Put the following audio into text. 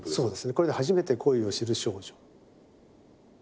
これで初めて恋を知る少女。